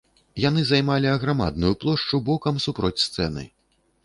Яны займалі аграмадную плошчу, бокам супроць сцэны.